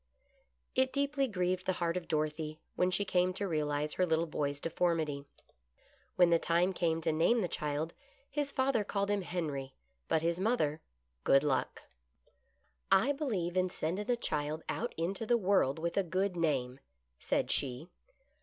It deeply grieved the heart of Dorothy when she came to realize her little boy's deformity. When the 50 GOOD LUCK. time came to name the child, his father called him Henry, but his mother " Good Luck." " I believe in sending a child out into the world with a good name," said she.